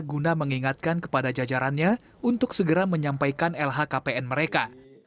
guna mengingatkan kepada jajarannya untuk segera menyampaikan lhkpn mereka